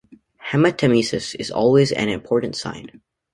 Hematemesis "is always an important sign".